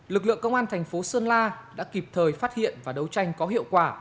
lực lượng công an thành phố sơn la đã kịp thời phát hiện và đấu tranh có hiệu quả